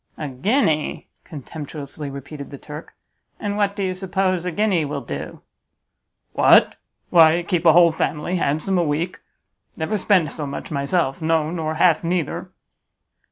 "A guinea?" contemptuously repeated the Turk, "and what do you suppose a guinea will do?" "What? Why, keep a whole family handsome a week; never spend so much myself; no, nor half neither."